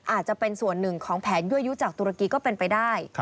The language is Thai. อาจจะเป็นส่วนหนึ่งของแผนยั่วยุจากตุรกีก็เป็นไปได้